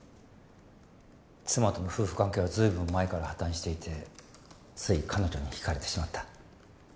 妻との夫婦関係は随分前から破綻していてつい彼女にひかれてしまった